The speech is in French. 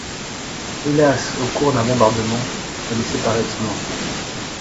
Hélas, au cours d'un bombardement, elle est séparée de son enfant.